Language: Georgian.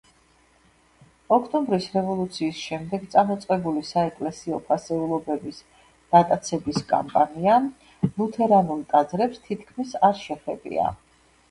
ოქტომბრის რევოლუციის შემდეგ წამოწყებული საეკლესიო ფასეულობების დატაცების კამპანია ლუთერანულ ტაძრებს თითქმის არ შეხებია.